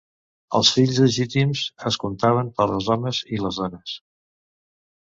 Els fills legítims es contaven per als homes i les dones.